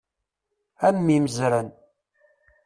A mm imezran!